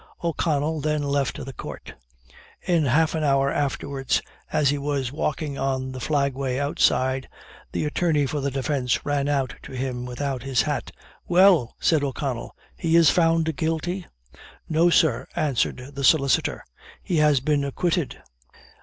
O'Connell then left the Court. In half an hour afterwards, as he was walking on the flagway outside, the attorney for the defence ran out to him without his hat. "Well," said O'Connell, "he is found guilty?" "No, sir," answered the solicitor, "he has been acquitted."